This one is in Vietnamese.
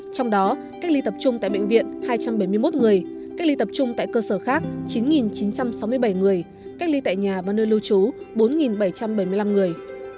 trong đó cách ly tập trung tại bệnh viện hai trăm bảy mươi một người cách ly tập trung tại cơ sở khác chín chín trăm sáu mươi bảy người cách ly tại nhà và nơi lưu trú bốn bảy trăm bảy mươi năm người